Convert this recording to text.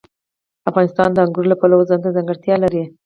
افغانستان د انګورو له پلوه ځانته ځانګړې ځانګړتیا لري.